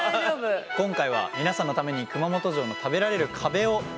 今回は皆さんのために熊本城の食べられる壁を再現しました。